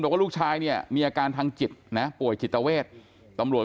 บอกว่าลูกชายเนี่ยมีอาการทางจิตนะป่วยจิตเวทตำรวจ